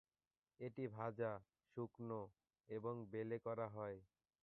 এটি ভাজা, শুকনো এবং বেলে করা হয়।